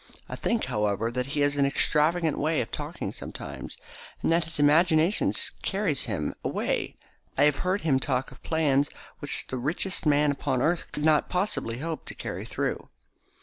I think, however, that he has an extravagant way of talking sometimes, and that his imagination carries him away. I have heard him talk of plans which the richest man upon earth could not possibly hope to carry through."